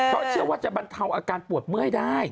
เพราะเชื่อว่าจะบรรเทาอาการปวดเมื่อยได้